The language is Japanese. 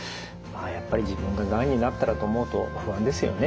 やっぱり自分ががんになったらと思うと不安ですよね。